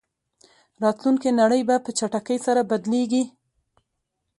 راتلونکې نړۍ به په چټکۍ سره بدلېږي.